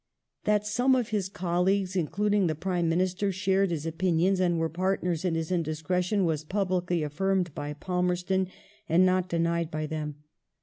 ^ That some of his colleagues, including the Prime Minister, shared his opinions and were partnei s in his indiscretion was publicly affirmed by Palmerston and not denied by them.